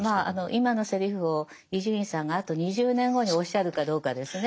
今のセリフを伊集院さんがあと２０年後におっしゃるかどうかですね。